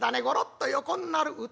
ごろっと横になる。